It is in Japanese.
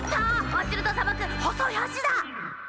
おちるとさばくほそいはしだ！